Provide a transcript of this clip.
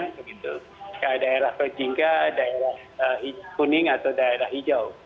kalau daerah kejingga daerah kuning atau daerah hijau